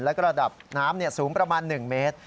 และระดับน้ำสูงประมาณ๑เมตร